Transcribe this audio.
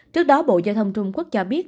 trước đó bộ giao thông trung quốc cho biết